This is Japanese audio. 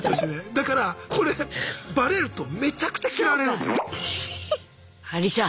だからこれバレるとめちゃくちゃ嫌われるんすよ。